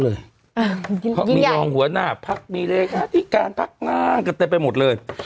เอ่อเยี่ยมเพราะมียองหัวหน้าพักมีเลขอาทิการพักงานกระเตะไปหมดเลย